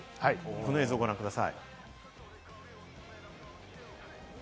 この映像をご覧ください。